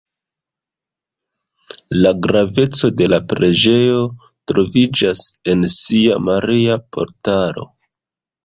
La graveco de la preĝejo troviĝas en sia „Maria-Portalo“.